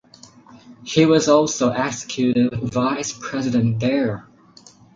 He was also executive vice president there.